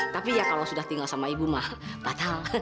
tapi ya kalau sudah tinggal sama ibu mah batal